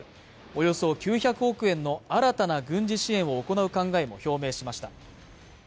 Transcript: およそ９００億円の新たな軍事支援を行う考えも表明しました